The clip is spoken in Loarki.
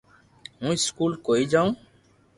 ھون اسڪول ڪوئي جاو